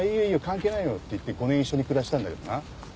関係ないよって言って５年一緒に暮らしたんだけどな。